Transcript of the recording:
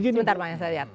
sebentar mas yaya